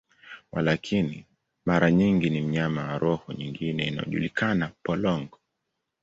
Walakini, mara nyingi ni mnyama wa roho nyingine inayojulikana, polong.